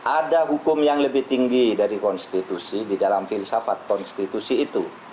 ada hukum yang lebih tinggi dari konstitusi di dalam filsafat konstitusi itu